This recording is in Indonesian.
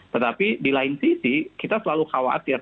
tetapi di lain sisi kita selalu khawatir